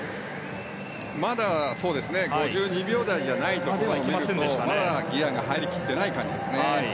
まだ５２秒台じゃないところを見るとまだギアが入り切っていない感じですね。